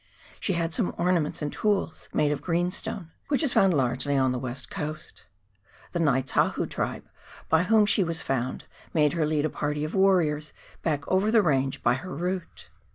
She had some ornaments and tools made of greenstone, which is found largely on the "West Coast. The Ngaitahu tribe, by whom she was found, made her lead a party of warriors back over the range by her route.